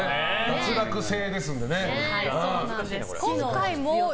脱落制ですので。